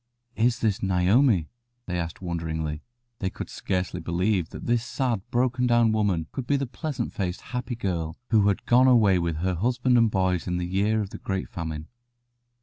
"Is this Naomi?" they asked wonderingly. They could scarcely believe that this sad, broken down woman could be the pleasant faced, happy girl who had gone away with her husband and boys in the year of the great famine.